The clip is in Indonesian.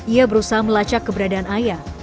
ia berusaha melacak keberadaan ayah